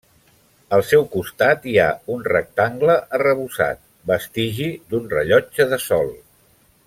Al seu costat hi ha un rectangle arrebossat, vestigi d'un rellotge de sol.